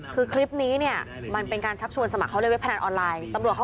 คือคลิปนี้เนี่ยมันเป็นการชักชวนสมัครเขาเล่นเว็บพนันออนไลน์ตำรวจเขา